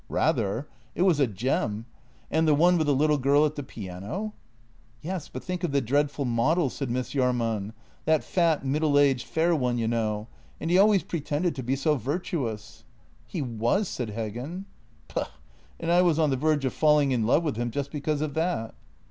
"Rather! It was a gem; and the one with the little girl at the piano? "" Yes, but think of the dreadful model," said Miss Jahrman —" that fat, middle aged, fair one, you know. And he ahvays pretended to be so virtuous." " He was," said Heggen. " Pugh! And I was on the verge of falling in love with him just because of that."